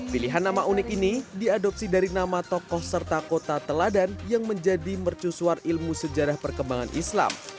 pilihan nama unik ini diadopsi dari nama tokoh serta kota teladan yang menjadi mercusuar ilmu sejarah perkembangan islam